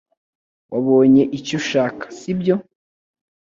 Wabonye icyo ushaka, sibyo?